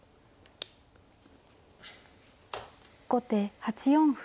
後手８四歩。